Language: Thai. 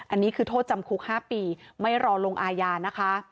อันนี้คือโทษจำคุก๕ปีไม่รอลงอาญานะคะ